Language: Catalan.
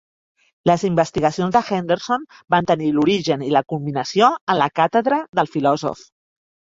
Les investigacions de Henderson van tenir l'origen i la culminació en la càtedra del filòsof.